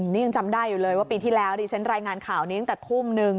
นี่ยังจำได้อยู่เลยว่าปีที่แล้วดิฉันรายงานข่าวนี้ตั้งแต่ทุ่มนึง